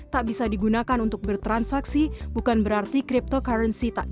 tak bisa digunakan untuk bertransaksi bukan berarti cryptocurrency